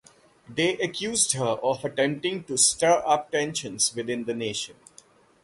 They accused her of attempting to stir up tensions within the nation.